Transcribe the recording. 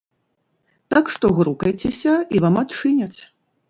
Так што грукайцеся, і вам адчыняць.